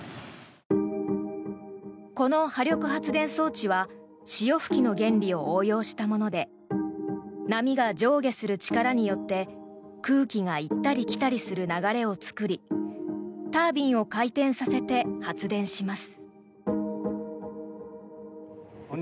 この波力発電装置は潮吹きの原理を応用したもので波が上下する力によって空気が行ったり来たりする流れを作りタービンを回転させて発電します。